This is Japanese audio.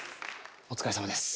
お疲れさまです。